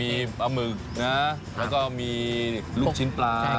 มีปลาหมึกนะแล้วก็มีลูกชิ้นปลา